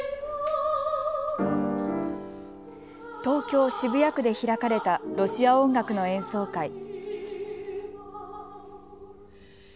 東京渋谷区で開かれたロシア音楽の演奏会。